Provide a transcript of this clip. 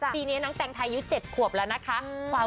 ปีนี้น้องแตงไทยอายุ๗ขวบแล้วนะคะ